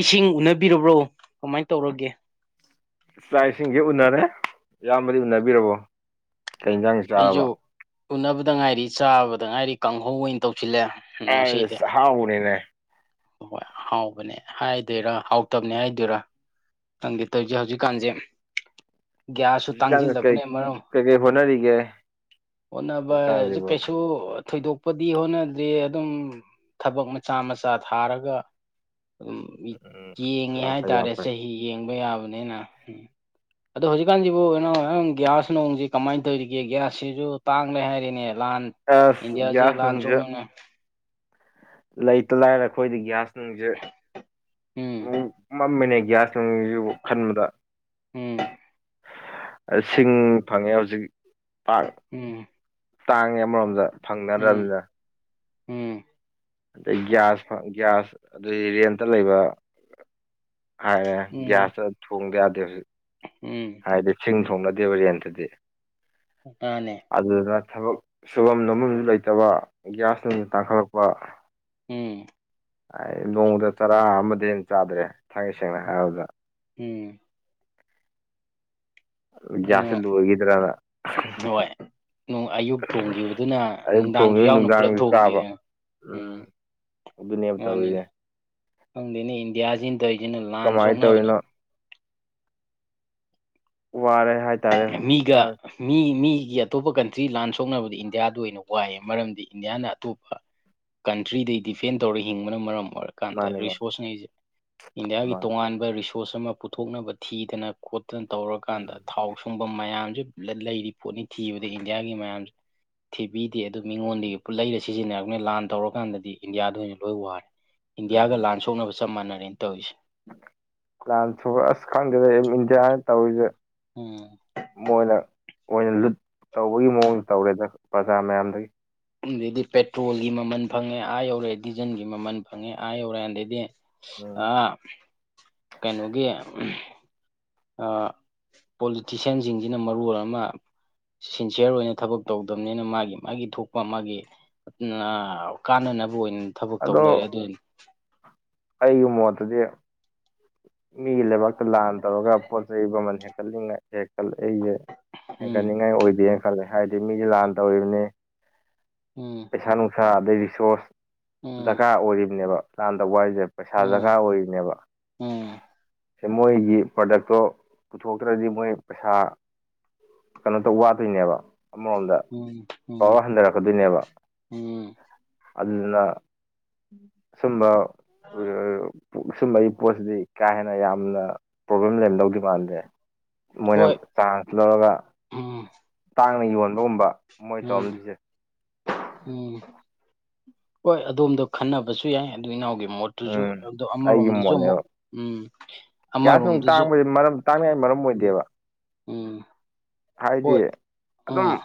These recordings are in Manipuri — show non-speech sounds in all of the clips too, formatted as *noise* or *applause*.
ꯏꯁꯤꯡ ꯎꯅꯕꯤꯔꯕ꯭ꯔꯣ ꯀꯃꯥꯏꯅ ꯇꯧꯔꯒꯦ꯫ ꯆꯥꯛ ꯏꯁꯤꯡꯗꯤ ꯎꯅꯔꯦ ꯏꯌꯥꯝꯕꯗꯤ ꯎꯅꯕꯤꯔꯕꯣ꯫ ꯀꯩ ꯏꯟꯖꯥꯡ ꯑꯩꯁꯨ ꯆꯥꯔꯕ ꯎꯅꯕꯗ ꯉꯥꯏꯔꯤ ꯆꯥꯕꯗ ꯉꯥꯏꯔꯤ ꯀꯥꯡꯍꯧ ꯑꯣꯏꯅ ꯇꯧꯁꯤꯜꯂꯦ꯫ ꯉꯥꯁꯤꯗꯤ ꯑꯩꯁ ꯑꯍꯥꯎꯕꯅꯤꯅꯦ ꯍꯣꯏ ꯍꯥꯎꯕꯅꯦ ꯍꯥꯏꯗꯣꯏꯔꯥ ꯍꯥꯎꯇꯕꯅꯦ ꯍꯥꯏꯗꯣꯏꯔꯥ꯫ ꯈꯪꯗꯦꯇꯧꯏꯁꯦ ꯍꯧꯖꯤꯛꯀꯥꯟꯁꯦ꯫ ꯒ꯭ꯌꯥꯁꯁꯨ ꯍꯧꯖꯤꯛꯀꯥꯟꯁꯦ ꯀꯩ ꯇꯥꯡꯁꯤꯜꯂꯛꯄꯅ ꯃꯔꯝ ꯀꯩꯀꯩ ꯍꯣꯠꯅꯔꯤꯒꯦ꯫ ꯍꯣꯠꯅꯕꯁꯦ ꯍꯧꯖꯤꯛꯀꯥꯟꯁꯤꯕꯨ ꯀꯩꯁꯨ꯫ ꯁꯨ ꯊꯣꯏꯗꯣꯛꯄꯗꯤ ꯍꯣꯠꯅꯗ꯭ꯔꯤ ꯑꯗꯨꯝ ꯊꯕꯛ ꯃꯆꯥ ꯃꯆꯥ ꯊꯥꯔꯒ꯫ ꯑꯗꯨꯝ ꯎꯝ ꯌꯦꯡꯉꯤ ꯌꯥꯝ ꯐꯩ ꯌꯥꯝ ꯍꯥꯏꯇꯥꯔꯦ ꯐꯩ ꯆꯍꯤ ꯌꯦꯡꯕ ꯌꯥꯕꯅꯤꯅ ꯎꯝ꯫ ꯑꯗꯣ ꯍꯧꯖꯤꯛꯀꯥꯟꯁꯤꯕꯨ *unintelligible* ꯒ꯭ꯌꯥꯁ ꯅꯣꯡꯁꯤ ꯀꯃꯥꯏꯅ ꯇꯧꯔꯤꯒꯦ꯫ ꯒ꯭ꯌꯥꯁꯁꯤꯁꯨ ꯇꯥꯡꯂꯦ ꯍꯥꯏꯔꯤꯅꯦ ꯂꯥꯟ ꯑꯁ ꯏꯟꯗꯤꯌꯥꯁꯦ ꯒ꯭ꯌꯥꯁ ꯂꯥꯟ ꯅꯨꯡꯁꯦ ꯁꯣꯛꯅꯅ꯫ ꯂꯩꯇ ꯂꯥꯏꯔ ꯑꯩꯈꯣꯏꯗꯤ ꯒ꯭ꯌꯥꯁ ꯅꯨꯡꯁꯦ ꯎꯝ ꯃꯝꯃꯤꯅꯦ ꯒꯌꯥꯁ *unintelligible* ꯈꯟꯕꯗ꯫ ꯎꯝ꯫ ꯁꯤꯡ ꯐꯪꯉꯦ ꯍꯧꯖꯤꯛ ꯄꯥꯛ꯫ ꯎꯝ ꯇꯥꯡꯉꯦ ꯑꯃꯔꯣꯝꯗ ꯎꯝ ꯐꯪꯅꯗ꯭ꯔꯕꯅꯤꯅ꯫ ꯎꯝ꯫ ꯑꯗꯩ ꯒꯤꯒꯌꯥꯁ ꯒꯤꯒꯌꯥꯁ ꯑꯗꯨꯗꯤ ꯔꯦꯟꯇ ꯂꯩꯕ꯫ ꯍꯥꯏ ꯎꯝ ꯒ꯭ꯌꯥꯁꯇ ꯊꯣꯡꯗ ꯌꯥꯗꯦ ꯍꯧꯖꯤꯛ꯫ ꯎꯝ꯫ ꯍꯥꯏꯗꯤ ꯁꯤꯡ ꯊꯣꯡꯅꯗꯦꯕ ꯔꯦꯟꯇꯗꯤ꯫ ꯃꯥꯅꯦ꯫ ꯑꯗꯨꯗꯨꯅ ꯊꯕꯛ ꯁꯨꯐꯝ ꯅꯣꯝꯐꯝꯁꯨ ꯂꯩꯇꯕ ꯒ꯭ꯌꯥꯁ ꯅꯨꯡꯁꯨ ꯇꯥꯡꯈꯠꯂꯛꯄ꯫ ꯎꯝ꯫ ꯑꯩ ꯅꯣꯡꯃꯗ ꯆꯔꯥ ꯑꯃꯗꯩ ꯍꯦꯟ ꯆꯥꯗ꯭ꯔꯦ ꯊꯥꯡꯉꯩ ꯁꯦꯡꯅ ꯍꯥꯏꯔꯕꯗ꯫ ꯎꯝ ꯑꯗꯨ ꯒ꯭ꯌꯥꯁꯁꯤ ꯂꯣꯏꯒꯤꯗ꯭ꯔꯅ ꯗꯣꯏ ꯎꯝ ꯑꯌꯨꯛ ꯊꯣꯡꯈꯤꯕꯗꯨꯅ ꯑꯌꯨꯛ ꯅꯨꯡꯗꯥꯡꯖꯨ ꯊꯣꯡꯉꯤꯕ ꯌꯥꯎꯅ ꯄꯨꯂꯞ ꯅꯨꯡꯗꯥꯡꯁꯨ ꯊꯣꯡꯒꯦ ꯆꯥꯕ ꯎꯝ ꯑꯗꯨꯅꯦꯕ ꯇꯧꯔꯤꯁꯦ ꯈꯪꯗꯦꯅꯦ ꯏꯟꯗꯤꯌꯥꯁꯤꯅ ꯇꯧꯏꯖꯤꯅ ꯂꯥꯟ ꯀꯃꯥꯏꯅ ꯁꯣꯛꯅꯕꯅ ꯇꯧꯔꯤꯅꯣ ꯋꯥꯔꯦ ꯍꯥꯏꯇꯥꯔꯦ ꯃꯤꯒ ꯍꯧꯖꯤꯛꯀꯥꯟ ꯃꯤ ꯃꯤꯒꯤ ꯑꯇꯣꯞꯄ ꯀꯟꯇ꯭ꯔꯤ ꯂꯥꯟ ꯁꯣꯛꯅꯕꯗ ꯏꯟꯗꯤꯌꯥꯗꯨ ꯑꯣꯏꯅ ꯋꯥꯏꯌꯦ ꯃꯔꯝꯗꯤ ꯏꯟꯗꯤꯌꯥꯅ ꯑꯇꯣꯞꯄ ꯀꯟꯇ꯭ꯔꯤꯗꯩ ꯗꯤꯐꯦꯟ ꯇꯧꯔꯒ ꯍꯤꯡꯕꯅ ꯃꯔꯝ ꯑꯣꯏꯔꯒ ꯀꯥꯟꯗ‌ ꯃꯥꯅꯦ ꯃꯥꯅꯦ ꯔꯤꯁꯣꯔꯁꯉꯩꯖꯦ ꯏꯟꯗꯤꯌꯥꯒꯤ ꯃꯥꯅꯦ ꯇꯣꯉꯥꯟꯕ ꯔꯤꯁꯣꯔꯁ ꯑꯃ ꯄꯨꯊꯣꯛꯅꯕ ꯊꯤꯗꯅ ꯈꯣꯠꯇꯅ ꯇꯧꯔꯀꯥꯟꯗ ꯎꯝ ꯊꯥꯎ ꯁꯨꯡꯕꯝ ꯃꯌꯥꯝꯖꯨ ꯂꯩ ꯂꯩꯔꯤ ꯄꯣꯠꯅꯤ ꯊꯤꯕꯗ ꯏꯟꯗꯤꯌꯥꯒꯤ ꯃꯌꯥꯝꯁꯦ ꯊꯤꯕꯤꯗꯦ ꯑꯗꯨ ꯃꯤꯉꯣꯟꯗꯒꯤ ꯄꯨꯠꯂꯩꯔ ꯁꯤꯖꯤꯟꯅꯔꯕꯅꯤꯅ ꯂꯥꯟ ꯇꯧꯔꯀꯥꯟꯗꯗꯤ ꯏꯟꯗꯤꯌꯥꯗ ꯑꯣꯏꯅ ꯂꯣꯏ ꯋꯥꯔꯦ ꯏꯟꯗꯤꯌꯥꯒ ꯎꯝ ꯂꯥꯟ ꯁꯣꯛꯅꯕꯒ ꯆꯞ ꯃꯥꯟꯅꯔꯦꯅ ꯇꯧꯔꯤꯁꯦ ꯂꯥꯟ ꯁꯣꯛ ꯑꯁ ꯈꯪꯗꯦꯗ ꯏꯟꯗꯤꯌꯥꯅ ꯇꯧꯔꯤꯖꯦ ꯎꯝ ꯃꯣꯏꯅ ꯑꯣꯏꯅ ꯂꯨꯠ ꯇꯧꯕꯒꯤ ꯃꯑꯣꯡꯗ ꯇꯧꯔꯦꯗ ꯄ꯭ꯔꯖꯥ ꯃꯌꯥꯝꯗꯒꯤ ꯑꯗꯩꯗꯤ ꯄꯦꯇ꯭ꯔꯣꯜꯒꯤ ꯃꯃꯜ ꯐꯪꯉꯦ ꯑꯥ ꯌꯧꯂꯩ ꯗꯤꯖꯜꯒꯤ ꯃꯃꯜ ꯐꯪꯉꯦ ꯑꯥ ꯌꯧꯔꯦ ꯑꯗꯩꯗꯤ ꯑ ꯎꯝ ꯀꯩꯅꯣꯒꯤ ꯑ ꯄꯣꯂꯤꯇꯤꯁꯤꯌꯥꯟꯁꯤꯡꯁꯤꯅ ꯃꯔꯣꯟ ꯑꯃ ꯁꯤꯟꯁꯤꯌꯔ ꯑꯣꯏꯅ ꯊꯕꯛ ꯇꯧꯗꯝꯅꯤꯅ ꯃꯥꯒꯤ ꯃꯥꯒꯤ ꯊꯣꯛꯄ ꯃꯥꯒꯤ ꯎꯝ ꯅ ꯀꯥꯟꯅꯅꯕ ꯑꯣꯏꯅ ꯊꯕꯛꯛ ꯇꯧ ꯑꯗꯣ ꯂꯩꯔꯦ ꯑꯗꯨꯏꯅꯤ ꯑꯩꯒꯤ ꯃꯣꯠꯇꯗꯤ ꯃꯤꯒꯤ ꯂꯩꯕꯥꯛꯇ ꯂꯥꯟ ꯇꯧꯔꯒ ꯄꯣꯠ ꯆꯩ ꯃꯃꯜ ꯍꯦꯟꯀꯠꯂꯤꯉꯩ ꯍꯦꯛꯇꯜ ꯑꯩꯖꯦ ꯎꯝ ꯍꯦꯟꯀꯠꯅꯤꯡꯉꯥꯏ ꯑꯣꯏꯗꯦꯅ ꯈꯜꯂꯦ ꯍꯥꯏꯗꯤ ꯃꯤꯒꯤ ꯂꯥꯟ ꯇꯧꯔꯤꯕꯅꯤ ꯎꯝ ꯄꯩꯁꯥ ꯅꯨꯡꯁꯥ ꯑꯗꯩ ꯔꯤꯁꯣꯔꯁ ꯎꯝ ꯗꯔꯀꯥꯔ ꯑꯣꯏꯔꯤꯕꯅꯦꯕ ꯂꯥꯟꯗꯧꯕ ꯍꯥꯏꯖꯦ ꯄꯩꯁꯥ ꯎꯝ ꯗꯔꯀꯥꯔ ꯑꯣꯏꯔꯤꯅꯦꯕ ꯎꯝ ꯁꯦ ꯃꯣꯏꯒꯤ ꯄ꯭ꯔꯗꯛꯇꯣ ꯄꯨꯊꯣꯛꯇ꯭ꯔꯗꯤ ꯃꯣꯏ ꯄꯩꯁꯥ ꯀꯩꯅꯣ ꯇꯧ ꯋꯥꯗꯣꯏꯅꯦꯕ ꯑꯃꯔꯣꯝꯗ ꯎꯝ ꯎꯝ ꯄꯋꯔ ꯍꯟꯗꯔꯛꯀꯗꯣꯏꯅꯦꯕ ꯎꯝ ꯑꯗꯨꯗꯨꯅ ꯁꯨꯝꯕ ꯁꯨꯝꯕꯩ ꯄꯣꯠꯁꯤꯗꯤ ꯀꯥ ꯍꯦꯟꯅ ꯌꯥꯝꯅ ꯄ꯭ꯔꯣꯕ꯭ꯂꯦꯝ ꯂꯩꯔꯝꯗꯧꯗꯤ ꯃꯥꯟꯗꯦ ꯃꯣꯏꯅ ꯍꯣꯏ ꯆꯥꯟꯁ ꯂꯧꯔꯒ ꯎꯝ ꯇꯥꯡꯅ ꯌꯣꯟꯕꯒꯨꯝꯕ ꯃꯣꯏ ꯎꯝ ꯇꯧꯔꯝꯗꯣꯏꯁꯦ ꯎꯝ ꯍꯣꯏ ꯑꯗꯣꯝꯗꯣ ꯈꯟꯅꯕꯁꯨ ꯌꯥꯏ ꯑꯗꯨ ꯏꯅꯥꯎꯒꯤ ꯃꯣꯠ ꯗꯨꯖꯨ ꯎꯝ ꯑꯗꯣ ꯑꯩꯒꯤ ꯑꯃꯔꯣꯝꯗꯖꯨ ꯑꯃꯨꯛ ꯃꯣꯠꯅꯦꯕ ꯎꯝ ꯑꯃꯔꯣꯝꯗꯖꯨ ꯇꯥꯛꯅꯤꯡꯉꯥꯏ ꯃꯔꯝ ꯑꯣꯏꯗꯦꯕ ꯎꯝ ꯍꯣꯏ ꯍꯥꯏꯗꯤ ꯎꯝ ꯑꯗꯨꯝ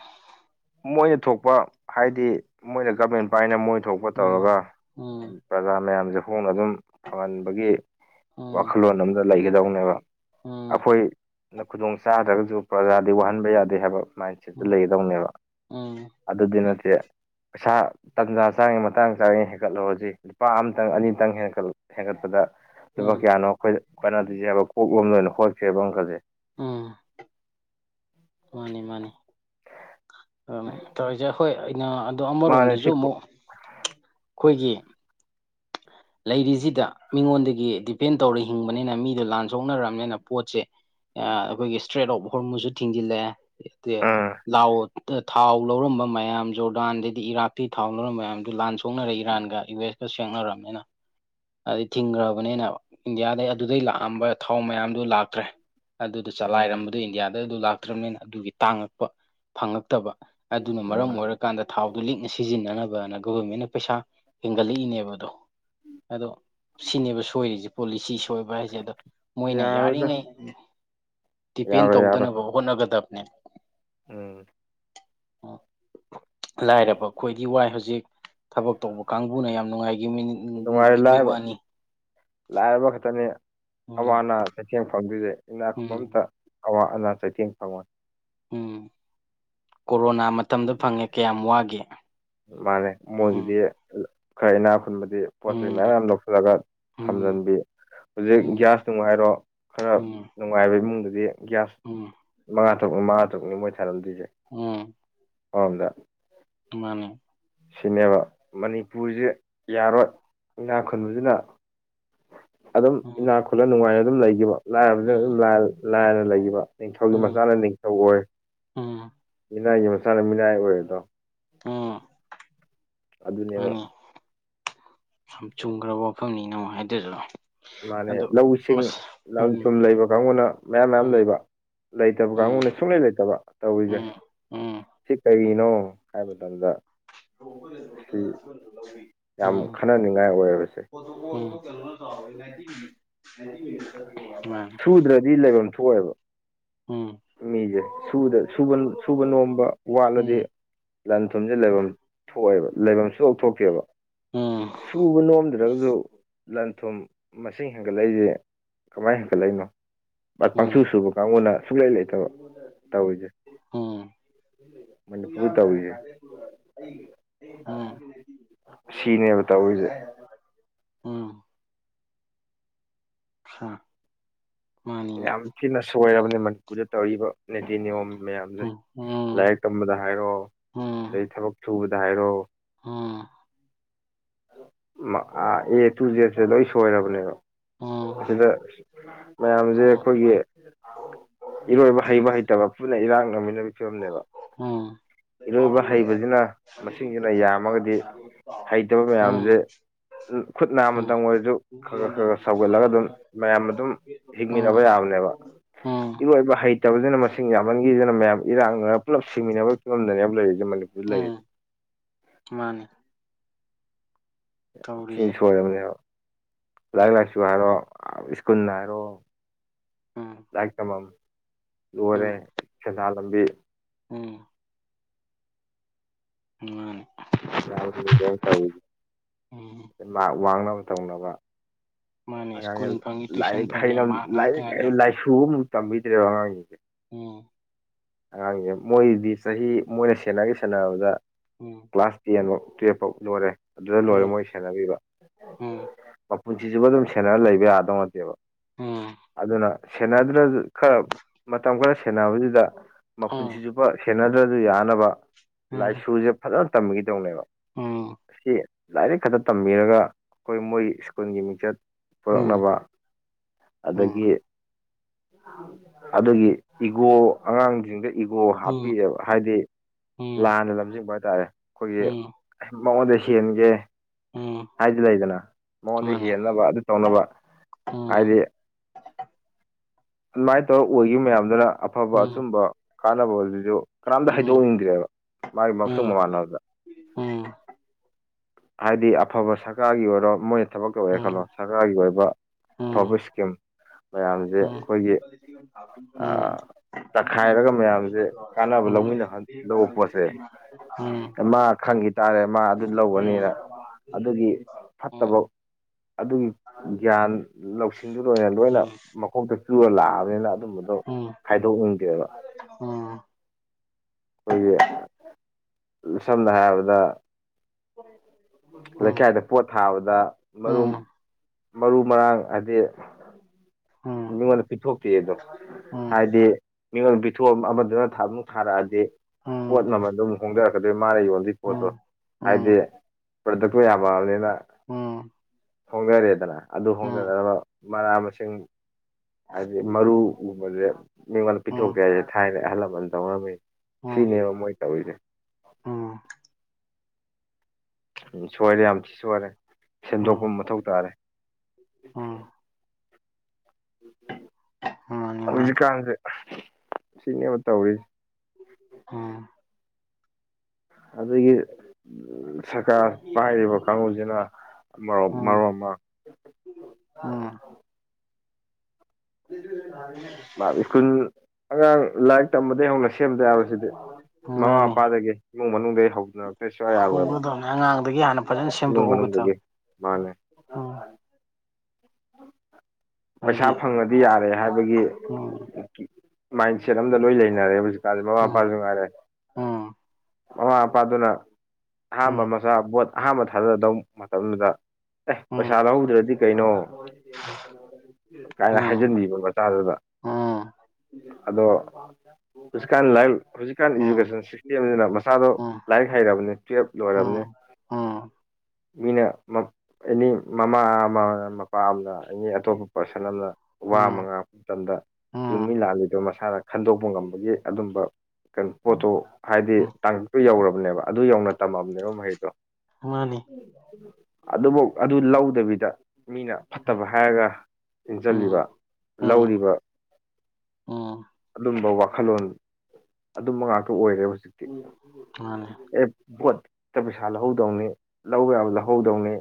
ꯃꯣꯏꯅ ꯊꯣꯛꯄ ꯍꯥꯏꯗꯤ ꯃꯣꯏꯅ ꯒꯃꯦꯟ ꯄꯥꯏꯅ ꯃꯣꯏꯊꯣꯛ ꯄꯣꯠ ꯎꯝ ꯇꯧꯔꯒ ꯎꯝ ꯄ꯭ꯔꯖꯥ ꯃꯌꯥꯝꯁꯦ ꯍꯣꯡꯅ ꯑꯗꯨꯝ ꯐꯪꯍꯟꯕꯒꯤ ꯎꯝ ꯋꯥꯈꯜꯂꯣꯟ ꯑꯝꯗ ꯂꯩꯒꯗꯧꯅꯦꯕ ꯑꯈꯣꯏ ꯈꯨꯗꯣꯡ ꯆꯥꯗ꯭ꯔꯒꯁꯨ ꯄ꯭ꯔꯖꯥ ꯗꯤ ꯋꯥꯍꯟꯕ ꯌꯥꯗꯦ ꯍꯥꯏꯕ ꯃꯥꯏꯟꯁꯦꯠꯇꯨ ꯎꯝ ꯂꯩꯒꯗꯧꯅꯦꯕ ꯎꯝ ꯑꯗꯨꯗꯤ ꯅꯠꯇꯦ ꯄꯩꯁꯥ ꯇꯟꯖꯥ ꯆꯥꯔꯤꯉꯩ ꯃꯇꯥꯡ ꯆꯥꯔꯤꯉꯩ ꯍꯦꯟꯀꯠꯂꯧꯔꯁꯤ ꯂꯨꯄꯥ ꯑꯃꯇꯪ ꯑꯅꯤꯇꯪ ꯍꯦꯟꯀꯠ ꯍꯦꯟꯒꯠꯄꯗ ꯂꯨꯄꯥ ꯎꯝ ꯀꯌꯥꯅꯣ ꯑꯩꯈꯣꯏꯗ ꯀꯅꯗꯣꯏꯖꯦ ꯍꯥꯏꯕ ꯀꯣꯛ ꯂꯣꯝꯗ ꯑꯣꯏꯅ ꯍꯣꯠꯈꯔꯦꯕ ꯑꯪꯀꯁꯦ ꯎꯝ ꯃꯥꯅꯤ ꯃꯥꯅꯤ ꯑꯗꯨꯅꯤ ꯇꯧꯔꯤꯁꯦ ꯑꯈꯣꯏ ꯑꯩꯅꯥ ꯑꯗꯣ ꯃꯥꯅꯦ ꯑꯃꯔꯣꯝꯗꯖꯨ ꯁꯤ ꯑꯃꯨꯛ ꯈꯣꯏꯒꯤ ꯂꯩꯔꯤꯁꯤꯗ ꯃꯤꯉꯣꯟꯗꯒꯤ ꯗꯤꯄꯦꯟ ꯇꯧꯔꯥ ꯍꯤꯡꯕꯅꯤꯅ ꯃꯤꯗꯣ ꯂꯥꯟ ꯁꯣꯛꯅꯔꯕꯅꯤꯅ ꯄꯣꯠꯁꯦ ꯑꯩꯈꯣꯏꯒꯤ ꯏꯁꯇ꯭ꯔꯦꯠ ꯑꯣꯐ ꯍꯣꯔꯃꯨꯖꯨ ꯊꯤꯡꯖꯤꯜꯂꯦ ꯑꯗꯩꯗꯤ ꯑꯥ ꯂꯥꯎ ꯇ ꯊꯥꯎ ꯂꯧꯔꯝꯕ ꯃꯌꯥꯝ ꯖꯣꯔꯗꯥꯟꯗꯩꯗꯤ ꯏꯔꯥꯛꯇꯩ ꯊꯥꯎ ꯂꯧꯔꯝꯕ ꯃꯌꯥꯝꯗꯨ ꯂꯥꯟ ꯁꯣꯛꯅꯔꯦ ꯏꯔꯥꯟꯒ ꯌꯨ ꯑꯦꯁ ꯁꯦꯡꯅꯔꯕꯅꯤꯅ꯫ ꯑꯗꯩ ꯊꯤꯡꯈ꯭ꯔꯕꯅꯤꯅ ꯏꯟꯗꯤꯌꯥꯗꯩ ꯑꯗꯨꯗꯩ ꯂꯥꯛꯑꯝꯕ ꯊꯥꯎ ꯃꯌꯥꯝꯗꯨ ꯂꯥꯛꯇ꯭ꯔꯦ꯫ ꯑꯗꯨꯗ ꯑꯥ ꯆꯥꯂꯥꯏꯔꯝꯕꯗꯨ ꯏꯟꯗꯤꯌꯥꯗ ꯑꯗꯨ ꯂꯥꯛꯇ꯭ꯔꯕꯅꯤꯅ ꯑꯗꯨꯒꯤ ꯇꯥꯡꯉꯛꯄ ꯐꯪꯉꯛꯇꯕ ꯑꯗꯨꯅ ꯃꯔꯝ ꯑꯥ ꯑꯣꯏꯔꯀꯥꯟꯗ ꯊꯥꯎꯗꯨꯣ ꯂꯤꯛꯅ ꯁꯤꯖꯤꯟꯅꯅꯕꯅ ꯒꯕꯔꯃꯦꯟꯅ ꯄꯩꯁꯥ ꯍꯦꯟꯒꯠꯂꯛꯏꯅꯦꯕꯗꯣ ꯑꯗꯣ ꯁꯤꯅꯦꯕ ꯁꯣꯏꯔꯤꯁꯤ ꯄꯣꯂꯤꯁꯤ ꯁꯣꯏꯕ ꯍꯥꯏꯁꯦ ꯑꯗꯣ ꯃꯣꯏꯅ ꯌꯥꯔꯣꯏꯗ ꯌꯥꯔꯤꯉꯩ ꯗꯤꯄꯦꯟ ꯌꯥꯔꯣꯏ ꯌꯥꯔꯣꯏ ꯇꯧꯗꯅꯕ꯫ ꯍꯣꯠꯅꯒꯗꯅꯦ ꯎꯝ *unintelligible* ꯂꯥꯏꯔꯕ ꯑꯈꯣꯏꯗꯤ ꯋꯥꯏ ꯍꯧꯖꯤꯛ ꯊꯕꯛ ꯇꯧꯕ ꯀꯥꯡꯕꯨꯅ ꯌꯥꯝ ꯅꯨꯡꯉꯥꯏꯈꯤ ꯃꯤ ꯅꯨꯡꯉꯥꯏꯔꯦ ꯂꯥꯏꯔꯕ ꯂꯥꯏꯔꯕ ꯈꯛꯇꯅꯦ ꯎꯝ ꯑꯋꯥ ꯑꯅꯥ ꯆꯩꯊꯦꯡ ꯐꯪꯗꯣꯏꯁꯦ ꯏꯅꯥꯛ ꯈꯨꯟꯕꯥ ꯎꯝ ꯑꯃꯥꯇꯥ ꯑꯋꯥ ꯑꯅꯥ ꯆꯩꯊꯦꯡ ꯐꯪꯉꯣꯏ ꯎꯝ ꯀꯣꯔꯣꯅꯥ ꯃꯇꯝꯗ ꯐꯪꯉꯦ ꯀꯌꯥꯝ ꯋꯥꯒꯦ ꯃꯥꯅꯦ ꯃꯣꯏꯒꯤꯗꯤ ꯎꯝ ꯈꯔ ꯏꯅꯥ ꯈꯨꯨꯟꯕꯗꯤ ꯄꯣꯠ ꯆꯩꯩ ꯃꯌꯥꯝ ꯎꯝ ꯌꯥꯝ ꯂꯧꯁꯤꯜꯂꯒ ꯎꯝ ꯊꯝꯖꯤꯟꯕꯤ ꯍꯧꯖꯤꯛ ꯎꯝ ꯒ꯭ꯌꯥꯁ ꯅꯨꯡ ꯍꯥꯏꯔꯣ ꯈꯔ ꯎꯝ ꯅꯨꯡꯉꯥꯏꯕ ꯏꯃꯨꯡꯗꯗꯤ ꯒ꯭ꯌꯥꯁ ꯎꯝ ꯃꯉꯥ ꯇꯔꯨꯛꯅꯤ ꯃꯉꯥ ꯇꯔꯨꯛꯅꯤ ꯃꯣꯏ ꯊꯥꯅꯝꯗꯣꯏꯁꯦ ꯎꯝ ꯑꯃꯔꯣꯝꯗ ꯃꯥꯅꯤ ꯁꯤꯅꯦꯕ ꯃꯅꯤꯄꯨꯔꯁꯦ ꯌꯥꯔꯣꯏ ꯏꯅꯥꯥ ꯈꯨꯟꯕꯁꯤꯅ ꯑꯗꯨꯝ ꯎꯝ ꯏꯅꯥꯛ ꯈꯨꯠꯂꯥ ꯅꯨꯡꯉꯥꯏꯅ ꯑꯗꯨꯝ ꯂꯩꯈꯤꯕ ꯂꯥꯏꯔꯕꯅꯤꯅ ꯑꯗꯨꯝ ꯎꯝ ꯂꯥꯏꯔꯅ ꯂꯩꯈꯤꯕ ꯅꯤꯡꯊꯧꯒꯤ ꯎꯝ ꯃꯆꯥꯅ ꯅꯤꯡꯊꯧ ꯑꯣꯏ ꯎꯝ ꯃꯤꯅꯥꯏꯒꯤ ꯃꯆꯥꯅ ꯃꯤꯅꯥꯏ ꯑꯣꯏ ꯑꯗꯣ ꯎꯝ ꯑꯗꯨꯅꯦꯕ ꯃꯥꯅꯦ ꯌꯥꯝ ꯆꯨꯝꯈ꯭ꯔꯕ ꯋꯥꯐꯝꯅꯤꯅ ꯑꯃꯨꯛ ꯍꯥꯏꯔꯤꯗꯣ ꯃꯥꯅꯦ ꯂꯧꯁꯤꯡ ꯂꯪ ꯎꯝ ꯊꯨꯝ ꯂꯩꯕ ꯀꯥꯡꯕꯨꯅ ꯃꯌꯥꯝ ꯃꯌꯥꯝ ꯎꯝ ꯂꯩꯕ ꯂꯩꯇꯕ ꯎꯝ ꯀꯥꯡꯕꯨꯨꯅ ꯁꯨꯡꯂꯩ ꯂꯩꯇꯕ ꯇꯧꯔꯤꯁꯦ ꯎꯝ ꯎꯝ ꯁꯤ ꯀꯩꯒꯤꯅꯣ ꯍꯥꯏꯕ ꯃꯇꯝꯗ ꯎ ꯁꯤ *unintelligible* ꯎꯝ ꯌꯥꯝ ꯈꯟꯅꯅꯤꯡꯉꯥꯏ ꯎꯝ ꯑꯣꯏꯔꯕꯁꯦ *inaudible* ꯂꯥꯏꯇ *inaudible* ꯁꯨꯗ꯭ꯔꯗꯤ ꯂꯩꯐꯝ ꯊꯣꯛꯑꯦꯕ ꯎꯝ ꯃꯤꯁꯦ ꯁꯨꯕ ꯅꯣꯝꯕ ꯋꯥꯠꯂꯗꯤ꯫ ꯂꯟ ꯊꯨꯝꯁꯦ ꯂꯩꯐꯝ ꯊꯣꯛꯑꯦꯕ ꯂꯩꯐꯝ ꯁꯨꯡꯊꯣꯛ ꯊꯣꯛꯇꯦꯕ ꯁꯨꯕ ꯅꯣꯝꯗ꯭ꯔꯒꯁꯨ ꯂꯟ ꯊꯨꯝ ꯃꯁꯤꯡ ꯍꯦꯟꯒꯠꯂꯛꯏꯁꯦ ꯀꯃꯥꯏꯅ ꯍꯦꯟꯒꯠꯂꯛꯏꯅꯣ ꯄꯪꯁꯨ ꯁꯨꯕ ꯀꯥꯡꯕꯨꯅ ꯁꯨꯡꯛꯂꯩ ꯂꯩꯇꯕ ꯇꯧꯔꯤꯁꯦ ꯃꯅꯤꯄꯨꯔꯗ ꯇꯧꯔꯤꯁꯦ ꯌꯥꯗꯨꯔ *inaudible* ꯁꯤꯅꯦꯕ ꯇꯧꯔꯤꯁꯦ ꯑꯆꯥ ꯌꯥꯝ ꯊꯤꯅ ꯁꯣꯏꯔꯕꯅꯤ ꯃꯅꯤꯄꯨꯔꯗ ꯇꯧꯔꯤꯕ ꯅꯤꯇꯤ ꯅꯤꯌꯣꯝ ꯃꯌꯥꯝꯁꯦ ꯎꯝ ꯎꯝ ꯂꯥꯏꯔꯤꯛ ꯇꯝꯕꯗ ꯍꯥꯏꯔꯣ ꯎꯝ ꯑꯗꯩ ꯊꯕꯛ ꯁꯨꯕꯗ ꯍꯥꯏꯔꯣ ꯎꯝ ꯑꯦ ꯇꯨ ꯖꯦꯗꯁꯦ ꯂꯣꯏ ꯁꯣꯏꯔꯕꯅꯦꯕ ꯎꯝ ꯑꯁꯤꯗ ꯃꯌꯥꯝꯁꯦ ꯎꯝ ꯑꯩꯈꯣꯏꯒꯤ ꯏꯔꯣꯏꯕ ꯍꯩꯕ ꯍꯩꯇꯕ ꯄꯨꯟꯅ ꯏꯔꯥꯛꯅꯕꯥ ꯐꯤꯕꯝꯅꯦꯕ ꯏꯔꯣꯏꯕ ꯄꯦ ꯍꯩꯕꯁꯤꯅ ꯄꯇꯔ ꯃꯁꯤꯡꯁꯤꯅ ꯆ ꯌꯥꯝꯃꯒꯗꯤ *inaudible* ꯍꯩꯇꯕ ꯃꯌꯥꯝꯁꯦ꯫ ꯈꯨꯠ ꯅꯝꯃꯇ ꯎꯝ ꯑꯣꯏꯔꯁꯨ ꯈꯔ ꯈꯔ ꯈꯔ ꯈꯔ ꯁꯧꯒꯠꯂꯒ ꯑꯗꯨꯝ ꯃꯌꯥꯝ ꯑꯗꯨꯝ꯫ ꯎꯝ ꯍꯤꯡꯃꯤꯟꯅꯕ ꯌꯥꯕꯅꯦꯕ꯫ ꯎꯝ꯫ ꯏꯔꯣꯏꯕ ꯍꯩꯇꯕꯁꯤꯅ ꯃꯁꯤꯡ ꯌꯥꯝꯃꯟꯈꯤꯗꯅ ꯃꯌꯥꯝ ꯏꯔꯥꯛꯅ꯫ ꯄꯨꯂꯞ ꯁꯤꯃꯤꯟꯅꯕ ꯐꯤꯝꯗꯅꯦ ꯂꯩꯔꯤꯁꯦ ꯃꯅꯤꯄꯨꯔꯗ ꯂꯩꯔꯤ꯫ ꯎꯝ ꯃꯥꯅꯤ꯫ ꯇꯧꯔꯤꯁꯦ ꯆꯦꯟꯁꯣꯏꯔꯕꯅꯦꯕ꯫ ꯂꯥꯏꯔꯤꯛ ꯎꯝ ꯂꯥꯏꯁꯨꯨ ꯍꯥꯏꯔꯣ ꯏꯁꯀꯨꯜ ꯍꯥꯏꯔꯣ ꯎꯝ ꯂꯥꯏꯔꯤꯛ ꯇꯝꯕꯝ꯫ ꯂꯣꯏꯔꯦ ꯎꯝ ꯁꯦꯟꯗꯥꯟ ꯂꯝꯕꯤ꯫ ꯎꯝ꯫ ꯃꯥꯅꯤ꯫ *unintelligible* ꯇꯧꯋꯤ ꯎꯝ ꯃꯥꯛ ꯋꯥꯡꯅꯕ ꯇꯧꯅꯕ꯫ ꯃꯥꯅꯤ ꯑꯉꯥꯡꯁꯦ ꯁ꯭ꯀꯨꯜ ꯐꯪꯉꯤ ꯇꯨꯏꯁꯟ ꯂꯥꯏꯔꯤꯛ ꯐꯪꯉꯤ ꯍꯩꯅ ꯃꯍꯥꯛ ꯉꯥꯛꯇ ꯂꯥꯏꯔꯤꯛ ꯉꯥꯏꯅꯔꯦ ꯂꯥꯏꯁꯨ ꯑꯃꯨꯛ ꯇꯝꯕꯤꯗ꯭ꯔꯦꯕ ꯑꯉꯥꯡꯁꯤꯡꯁꯦ꯫ ꯎꯝ꯫ ꯑꯉꯥꯡꯁꯦ ꯃꯣꯏꯗꯤ ꯆꯍꯤ ꯃꯣꯏꯅ ꯁꯦꯟꯅꯒꯦ ꯁꯥꯟꯅꯔꯕꯗ꯫ ꯎꯝ꯫ ꯀ꯭ꯂꯥꯁ ꯇꯦꯟꯐꯧ ꯇꯨꯌꯦꯜꯐ ꯐꯥꯎ ꯂꯣꯏꯔꯦ ꯑꯗꯨꯗ ꯂꯣꯏꯔꯦ ꯎꯝ ꯃꯣꯏ ꯁꯦꯟꯅꯕꯤꯕ꯫ ꯎꯝ ꯄꯨꯟꯁꯤꯁꯤꯕꯨ ꯑꯗꯨꯝ ꯁꯦꯟꯅꯔ ꯂꯩꯕ ꯌꯥꯗꯧ ꯅꯠꯇꯦꯕ ꯎꯝ ꯑꯗꯨꯅ ꯁꯦꯟꯅꯗ꯭ꯔꯁꯨ꯫ ꯈꯔ ꯃꯇꯝ ꯈꯔ ꯁꯦꯟꯅꯕꯗꯨꯗ ꯎꯝ ꯃꯈꯨꯟꯁꯤ ꯎꯝ ꯆꯨꯞꯄ ꯁꯦꯟꯅꯗ꯭ꯔꯁꯨ ꯌꯥꯅꯕ꯫ ꯂꯥꯏꯁꯨꯁꯦ ꯐꯖꯅ ꯇꯝꯕꯒꯤꯗꯧꯅꯦꯕ ꯎꯝ ꯎꯝ ꯑꯁꯤ꯫ ꯂꯥꯏꯔꯤꯛ ꯈꯛꯇ ꯇꯝꯕꯤꯔꯒ ꯑꯩꯈꯣꯏ ꯃꯣꯏ ꯁ꯭ꯀꯨꯜꯒꯤ ꯃꯤꯡꯆꯠ꯫ ꯎꯝ ꯄꯨꯔꯛꯅꯕ ꯑꯗꯒꯤ ꯑꯗꯨꯒꯤ꯫ ꯏꯒꯣ ꯑꯉꯥꯡꯁꯤꯡꯗ ꯏꯒꯣ ꯍꯥꯞꯄꯤꯑꯕ ꯍꯥꯏꯗꯤ ꯎꯝ ꯂꯥꯟꯅ ꯂꯝꯖꯤꯡꯕ ꯍꯥꯏꯇꯥꯔꯦ꯫ ꯑꯩꯈꯣꯏꯒꯤ ꯎꯝ ꯃꯉꯣꯟꯗ ꯍꯦꯟꯒꯦ꯫ ꯎꯝ ꯍꯥꯏꯗꯤ ꯂꯩꯗꯅ ꯎꯝ ꯃꯉꯣꯟꯗ ꯃꯥꯅꯤ ꯍꯦꯟꯅꯕ ꯑꯗꯨ ꯇꯧꯅꯕ꯫ ꯎꯝ ꯍꯥꯏꯗꯤ꯫ ꯑꯗꯨꯃꯥꯏꯅ ꯇꯧꯔ ꯑꯣꯏꯈꯤꯕ ꯃꯌꯥꯝꯗꯨꯅ ꯑꯐꯕ ꯎꯝ ꯎꯝ ꯑꯆꯨꯝꯕ꯫ ꯀꯥꯟꯅꯕ ꯑꯗꯨꯁꯨ ꯀꯅꯥꯝꯇ ꯎꯝ ꯍꯥꯏꯩꯗꯣꯛꯅꯤꯡꯗ꯭ꯔꯦꯕ ꯃꯥꯒꯤ ꯃꯁꯨ ꯃꯃꯥꯟꯅꯕꯗ꯫ ꯎꯝ꯫ ꯍꯥꯏꯗꯤ ꯑꯐꯕ ꯁꯔꯀꯥꯔꯒꯤ ꯑꯣꯏꯔꯣ ꯃꯣꯏꯅ ꯊꯕꯛ ꯇꯧꯑꯦ ꯈꯜꯂꯣ ꯎꯝ ꯁꯔꯀꯥꯔꯒꯤ ꯑꯣꯏꯕ꯫ ꯎꯝ ꯑꯐꯕ ꯏꯁꯀꯤꯝ꯫ ꯃꯌꯥꯝꯁꯦ ꯑꯩꯈꯣꯏꯒꯤ ꯎꯝ ꯑ ꯎꯝ ꯃꯥꯅꯤ ꯇꯛꯈꯥꯏꯔꯒ ꯃꯌꯥꯝꯁꯦ ꯀꯥꯟꯅꯕ ꯂꯧꯃꯤꯟꯅꯕ꯫ ꯂꯧ ꯄꯣꯠꯁꯦ ꯃꯥ ꯈꯪꯈꯤ ꯇꯥꯔꯦ ꯃꯥ ꯑꯗꯨ ꯂꯧ꯫ *unintelligible* ꯑꯗꯨꯒꯤ ꯐꯠꯇꯕ꯫ ꯑꯗꯨꯒꯤ ꯒ꯭ꯌꯥꯟ ꯂꯧꯁꯤꯡꯗꯨꯗ ꯑꯣꯏꯅ ꯂꯣꯏꯅ ꯃꯈꯣꯛꯇ ꯆꯨꯔꯨꯔ ꯂꯥꯛꯑꯕꯅꯤꯅ꯫ ꯑꯗꯨꯝꯕꯗꯣ ꯍꯥꯏꯗꯣꯛꯅꯤꯡꯗꯦꯕ꯫ ꯑꯩꯈꯣꯏꯒꯤ ꯁꯝꯅ ꯍꯥꯏꯔꯕꯗ꯫ ꯂꯩꯀꯥꯏꯗ꯫ ꯄꯣꯠ ꯊꯥꯕꯗ ꯃꯔꯨꯝ ꯃꯔꯨ ꯃꯔꯥꯡ ꯍꯥꯏꯗꯤ꯫ ꯃꯤꯉꯣꯟꯗ ꯄꯤꯊꯣꯛꯇꯦꯗꯣ ꯍꯥꯏꯗꯤ꯫ ꯃꯤꯉꯣꯟꯗ ꯄꯤꯊꯣꯛꯑ ꯑꯃꯗꯨꯅ ꯊꯥꯃꯨꯛ ꯊꯥꯔꯛꯑꯗꯤ ꯄꯣꯠ ꯃꯃꯜ ꯑꯗꯨꯝ꯫ ꯍꯣꯡꯗꯔꯛꯀꯗꯣꯏ ꯃꯥꯅ ꯌꯣꯟꯜꯂꯤꯏ ꯄꯣꯠꯇꯣ ꯍꯥꯏꯗꯤ ꯄ꯭ꯔꯗꯛꯇꯣ ꯌꯥꯝꯃꯕꯅꯤꯅ꯫ ꯍꯣꯡꯗꯔꯦꯗꯅ ꯑꯗꯨ ꯍꯣꯡꯗꯅꯕ ꯃꯅꯥ ꯃꯁꯤꯡ꯫ ꯍꯥꯏꯕꯗꯤ ꯃꯔꯨꯒꯨꯝꯕꯁꯦ ꯃꯤꯉꯣꯟꯗ ꯄꯤꯊꯣꯛꯇꯦ ꯍꯥꯏꯁꯦ ꯊꯥꯏꯅ ꯑꯍꯜ ꯂꯃꯟ ꯇꯧꯔꯝꯃꯤ꯫ ꯁꯤꯅꯦꯕ ꯃꯣꯏ ꯇꯧꯏꯁꯦ꯫ ꯎꯝ ꯁꯣꯏꯔꯦ ꯌꯥꯝ ꯊꯤ ꯁꯣꯏꯔꯦ ꯁꯦꯝꯗꯣꯛꯄ ꯃꯊꯧ ꯇꯥꯔꯦ꯫ ꯍꯧꯖꯤꯛ ꯀꯥꯟꯁꯦ꯫ ꯁꯤꯅꯦꯕ ꯇꯧꯔꯤꯁꯦ꯫ ꯎꯝ꯫ ꯑꯗꯒꯤ ꯁꯔꯀꯥꯔ ꯄꯥꯏꯔꯤꯕ ꯀꯥꯡꯕꯨꯁꯤꯅ ꯃꯔꯣ ꯃꯔꯣꯜ ꯑꯃ ꯑꯥ *unintelligible* ꯁ꯭ꯀꯨꯜ ꯑꯉꯥꯡ ꯂꯥꯏꯔꯤꯛ ꯇꯝꯕꯗꯒꯤꯩ ꯍꯧꯅ ꯁꯦꯝꯗ ꯌꯥꯔꯣꯏ ꯁꯤꯗꯤ ꯃꯃꯥ ꯃꯄꯥꯗꯒꯤ ꯏꯃꯨꯡ ꯃꯅꯨꯡꯗꯒꯤ ꯍꯧꯗꯨꯅꯔꯛꯇ꯭ꯔꯗꯤ ꯁꯨꯡꯌꯥ ꯌꯥꯔꯣꯏꯕ ꯍꯧꯒꯗꯕꯅꯤ ꯑꯉꯥꯡꯗꯒꯤ ꯍꯥꯟꯅ ꯐꯖꯅ ꯏꯃꯨꯡ ꯁꯦꯝꯗꯣꯛꯍꯧꯒꯦꯇꯧ ꯃꯅꯨꯡꯗꯒꯤ ꯃꯥꯅꯦ ꯍꯥꯏꯗꯤ ꯄꯩꯁꯥ ꯐꯪꯉꯗꯤ ꯌꯥꯔꯦ ꯍꯥꯏꯕꯒꯤ ꯎꯝ ꯃꯥꯏꯟꯁꯦꯠ ꯑꯝꯗ ꯂꯣꯏ ꯂꯩꯅꯔꯦ ꯍꯧꯖꯤꯛ ꯃꯃꯥ ꯎꯝ ꯃꯄꯥꯁꯨ ꯉꯥꯏꯔꯦ ꯎꯝ ꯃꯃꯥ ꯃꯄꯥꯗꯨꯅ ꯑꯍꯥꯟꯕ ꯎꯝ ꯄꯩꯁꯥ ꯕꯣꯠ ꯑꯍꯥꯥꯟꯕ ꯊꯥꯗꯗꯧ ꯃꯇꯝꯗꯨꯗ ꯑꯦ ꯄꯩꯁꯥ ꯂꯧꯍꯧꯗ꯭ꯔꯗꯤ ꯀꯩꯅꯣ *unintelligible* ꯀꯥꯏꯅ ꯎꯝ ꯎꯝ ꯍꯥꯏꯖꯟꯕꯤꯕ ꯃꯆꯥꯗꯨꯗ ꯎꯝ ꯑꯗꯣ ꯍꯧꯖꯤꯛꯀꯥꯟ ꯂꯥꯏꯔꯤꯛ ꯍꯧꯖꯤꯛꯀꯥꯟ ꯎꯝ ꯏꯖꯨꯀꯦꯁꯟ ꯁꯤꯁꯇꯦꯝꯁꯤꯅ ꯃꯆꯥꯗꯣ ꯎꯝ ꯂꯥꯏꯔꯤꯛ ꯍꯩꯔꯕꯅꯦ ꯇꯨꯌꯦꯜꯐ ꯂꯣꯏꯔꯕꯅꯦ ꯎꯝ ꯎꯝ ꯃꯤꯅ ꯑꯦꯅꯤ ꯃꯃꯥ ꯑꯃ ꯄꯥꯝꯅ ꯑꯦꯅꯤ ꯑꯇꯣꯞꯄ ꯄꯥꯔꯁꯟ ꯑꯃꯅ ꯋꯥ ꯑꯃ ꯎꯝ ꯉꯥꯡꯉꯛꯄ ꯃꯇꯝꯗ ꯆꯨꯝꯃꯤ ꯎꯝ ꯂꯥꯟꯜꯂꯤꯗꯣ ꯃꯁꯥꯅ ꯈꯟꯗꯣꯛꯄ ꯉꯝꯕꯒꯤ ꯑꯗꯨꯝꯕ ꯀꯩꯅꯣ ꯄꯣꯠꯇꯣ ꯍꯥꯏꯗꯤ ꯎꯝ ꯇꯥꯡꯀꯛꯇꯨ ꯌꯧꯔꯕꯅꯦꯕ ꯑꯗꯨ ꯌꯧꯅ ꯇꯝꯃꯕꯅꯦꯕ ꯃꯍꯩꯗꯣ ꯃꯥꯅꯤ ꯑꯗꯨꯐꯧ ꯑꯗꯨ ꯂꯧꯗꯕꯤꯗ ꯃꯤꯅ ꯎꯝ ꯐꯠꯇꯕ ꯍꯥꯏꯔꯒ ꯆꯠꯂꯤꯕ ꯎꯝ ꯂꯧꯔꯤꯕ ꯎꯝ ꯑꯗꯨꯝꯕ ꯋꯥꯈꯜꯂꯣꯟ ꯑꯗꯨꯝꯕ ꯉꯥꯛꯇ ꯑꯣꯏꯔꯦ ꯍꯧꯖꯤꯛ ꯃꯥꯅꯤ ꯑꯦ ꯄꯣꯠ ꯍꯦꯛꯇ ꯄꯩꯁꯥ ꯂꯧꯍꯧꯗꯧꯅꯤ ꯂꯧꯕ ꯌꯥꯕ ꯂꯧꯍꯧꯗꯧꯅꯤ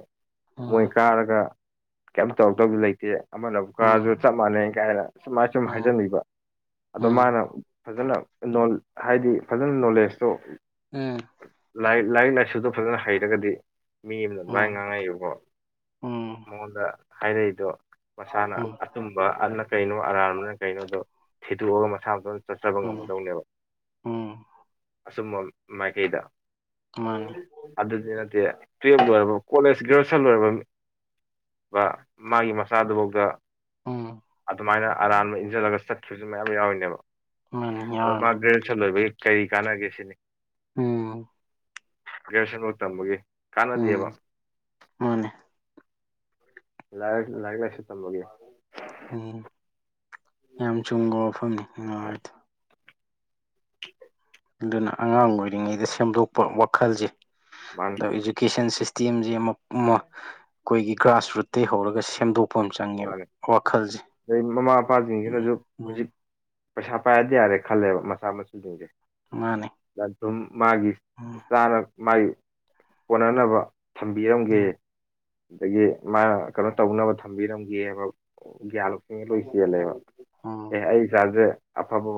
ꯃꯣꯏ ꯎꯝ ꯀꯥꯔꯒ ꯀꯩꯝ ꯇꯧꯔꯛꯇꯧꯗꯤ ꯂꯩꯇꯦ ꯑꯃꯅ ꯑꯃꯨꯛ ꯎꯝ ꯎꯝ ꯀꯥꯔꯁꯨ ꯆꯞ ꯃꯥꯟꯅꯩ ꯀꯥꯏꯅ ꯁꯨꯃꯥꯏꯅ ꯁꯨꯝ ꯎꯝ ꯎꯝ ꯎꯝ ꯍꯥꯏꯖꯟꯕꯤꯕ ꯑꯗꯣ ꯃꯥꯅ ꯐꯖꯅ ꯅꯣꯟ ꯍꯥꯏꯗꯤ ꯐꯖꯅ ꯅꯣꯂꯦꯖꯇꯣ ꯎꯝ ꯂꯥꯏꯔꯤꯛ ꯂꯥꯏꯔꯤꯛ ꯂꯥꯏꯁꯨꯗꯣ ꯐꯖꯅ ꯍꯩꯔꯒꯗꯤ ꯃꯤ ꯑꯃꯅ ꯑꯗꯨꯃꯥꯏꯅ ꯉꯥꯡꯉꯛꯏꯕꯗꯣ ꯃꯉꯣꯟꯗ ꯍꯥꯏꯔꯛꯏꯗꯣ ꯃꯁꯥꯅ ꯎꯝ ꯑꯆꯨꯝꯕ ꯑꯗꯨꯅ ꯀꯩꯅꯣ ꯑꯔꯥꯟꯕꯅ ꯀꯩꯅꯣ ꯑꯗꯣ ꯊꯤꯗꯣꯛꯑꯒ ꯃꯁꯥ ꯃꯇꯣꯟ ꯆꯠꯆꯕ ꯎꯝ ꯉꯝꯒꯗꯧꯅꯦꯕ ꯎꯝ ꯑꯆꯨꯝꯕ ꯃꯥꯏꯀꯩꯗ ꯃꯥꯅꯤ ꯑꯗꯨꯗꯤ ꯅꯠꯇꯦ ꯇꯨꯌꯦꯋꯜꯕ ꯂꯣꯏꯔꯕ ꯀꯣꯂꯦꯖ ꯒ꯭ꯔꯦꯖꯨꯌꯦꯁꯟ ꯂꯣꯏꯔꯕ ꯃꯤ ꯃꯥꯒꯤ ꯃꯆꯥꯗꯨꯐꯥꯎꯗ ꯎꯝ ꯑꯗꯨꯃꯥꯏꯅ ꯑꯔꯥꯟꯕ ꯏꯟꯁꯤꯜꯂꯒ ꯆꯠꯈꯤꯕꯁꯨ ꯃꯌꯥꯝ ꯌꯥꯎꯔꯤꯅꯦꯕ ꯃꯥꯅꯤ ꯑꯗꯣ ꯃꯥ ꯌꯥꯎꯔꯅꯤ ꯒ꯭ꯔꯦꯖꯨꯌꯦꯁꯟ ꯂꯣꯏꯕꯒꯤ ꯀꯔꯤ ꯀꯥꯟꯅꯒꯦ ꯁꯤꯅꯤ ꯎꯝ ꯒ꯭ꯔꯦꯖꯨꯋꯦꯁꯟ ꯐꯥꯎ ꯇꯝꯕꯒꯤ ꯀꯥꯟꯅꯗꯦꯕ ꯎꯝ ꯃꯥꯅꯦ ꯂꯥꯏ ꯂꯥꯏꯔꯤꯛ ꯂꯥꯏꯁꯨ ꯇꯝꯕꯒꯤ ꯑꯣ ꯌꯥꯝ ꯆꯨꯝꯕ ꯋꯥꯐꯝꯅꯤ ꯅꯪ ꯍꯥꯏꯗꯣ ꯑꯗꯨꯅ ꯑꯉꯥꯡ ꯑꯣꯏꯔꯤꯉꯩꯗ ꯁꯦꯝꯗꯣꯛꯄ ꯋꯥꯈꯜꯁꯦ ꯃꯥꯅꯤ ꯏꯗꯨꯨꯀꯦꯁꯟ ꯁꯤꯁ ꯏꯁꯇꯦꯝꯁꯦ ꯑꯃ ꯑꯃ ꯑꯩꯈꯣꯏꯒꯤ ꯒ꯭ꯔꯥꯁꯔꯨꯠꯇꯩ ꯍꯧꯔꯒ ꯁꯦꯝꯗꯣꯛ ꯃꯥꯅꯦ ꯑꯗꯩ ꯃꯃꯥ ꯎꯝ ꯃꯄꯥꯁꯤꯡꯁꯤꯅꯁꯨ ꯍꯧꯖꯤꯛ ꯎꯝ ꯄꯩꯁꯥ ꯄꯥꯏꯔꯗꯤ ꯌꯥꯔꯦ ꯈꯜꯂꯦꯕ ꯃꯆꯥꯥ ꯃꯁꯨꯁꯤꯡꯁꯦ ꯃꯥꯅꯤ ꯑꯗꯨꯝ ꯃꯥꯒꯤ ꯆꯥꯅꯕ ꯃꯥꯒꯤ ꯀꯣꯟꯅꯅꯕ ꯊꯝꯕꯤꯔꯝꯒꯦ ꯎꯝ ꯑꯗꯒꯤ ꯃꯥꯅ ꯀꯩꯅꯣ ꯇꯧꯅꯕ ꯊꯝꯕꯤꯔꯝꯒꯦꯕ ꯒ꯭ꯌꯥꯟ ꯂꯧꯁꯤꯡꯁꯥ ꯂꯣꯏ ꯆꯦꯜꯂꯦꯕ ꯑꯣ ꯑꯦ ꯑꯩ ꯏꯆꯥꯥꯁꯦ ꯑꯐꯕ